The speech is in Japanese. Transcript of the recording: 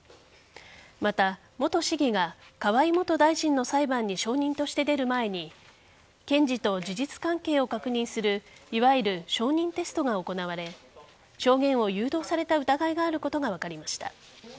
また、元市議が河井元大臣の裁判に証人として出る前に検事と事実関係を確認するいわゆる証人テストが行われ証言を誘導された疑いがあることが分かりました。